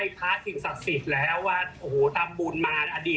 เฮ้ยมันปลอดภัยแล้วอะไรอย่างนี้